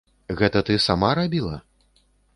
Гэта ты сама рабіла?